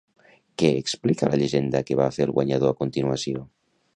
Què explica la llegenda que va fer el guanyador a continuació?